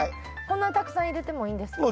こんなにたくさん入れてもいいんですか？